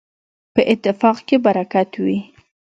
په اتفاق کي برکت وي.